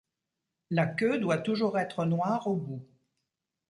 La queue doit toujours être noire au bout.